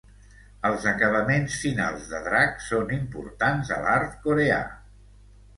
Els acabaments finals de drac són importants a l'art coreà.